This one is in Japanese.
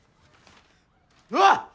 うわっ！